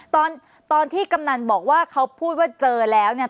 ตอนตอนที่กำนันบอกว่าเขาพูดว่าเจอแล้วเนี่ย